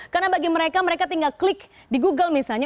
karena bagi mereka mereka tinggal klik di google misalnya